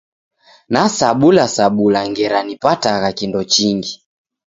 Nasabulasabula ngera nipatagha kindo chingi.